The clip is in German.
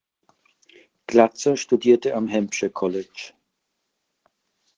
Glatzer studierte am Hampshire College.